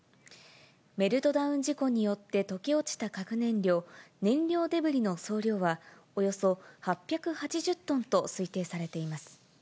メルトダウン事故によって溶け落ちた核燃料、燃料デブリの総量は、およそ８８０トンと推定されています。